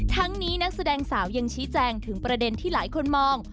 ทั้งนี้นักแสดงสาวยังชี้แจงถึงประเด็นที่หลายคนมอง